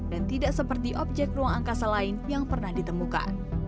tidak seperti objek ruang angkasa lain yang pernah ditemukan